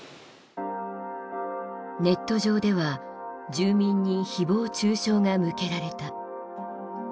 ネット上では住民に誹謗中傷が向けられた。